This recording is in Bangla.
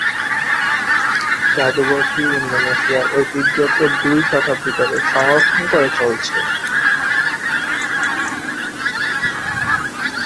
জাদুঘরটি ইন্দোনেশিয়ার ঐতিহ্যকে দুই শতাব্দি ধরে সংরক্ষণ করে চলেছে।